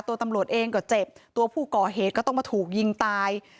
ตำรวจเองก็เจ็บตัวผู้ก่อเหตุก็ต้องมาถูกยิงตาย